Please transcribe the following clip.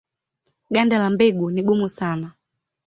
Ganda la mbegu ni gumu sana.